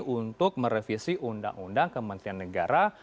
untuk merevisi undang undang kementerian negara